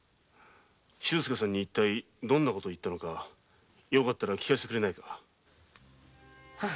周介さんに一体どんな事を言ったのかよかったら聞かせてくれないか。